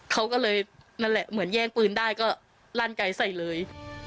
เขาก็เลยนั่นแหละเหมือนแย่งปืนได้ก็ลั่นไกลใส่เลย